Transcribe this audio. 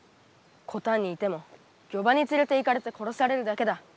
「コタンにいても漁場に連れて行かれて殺されるだけだ。